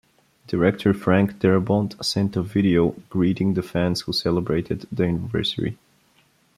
Director Frank Darabont sent a video greeting the fans who celebrated the anniversary.